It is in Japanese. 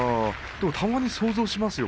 たまに私も想像しますよ